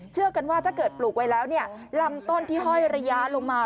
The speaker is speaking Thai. เชื่อกันว่าถ้าเกิดปลูกไว้แล้วเนี่ยลำต้นที่ห้อยระยะลงมา